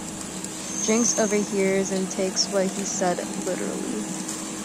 Jinx overhears and takes what he said literally.